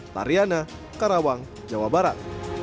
tariana karawang jawa barat